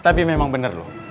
tapi memang bener loh